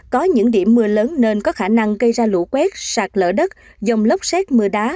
có những điểm mưa lớn nên có khả năng gây ra lũ quét sạt lở đất dông lốc xét mưa đá